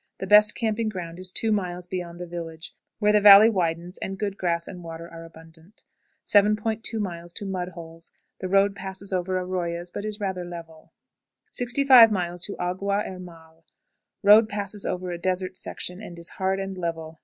The best camping ground is two miles beyond the village, where the valley widens, and good grass and water are abundant. 7.20. Mud Holes. The road passes over arroyas, but is rather level. 65.00. Agua Hermal. Road passes over a desert section, and is hard and level.